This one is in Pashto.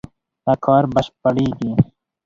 دا کار بشپړېږي.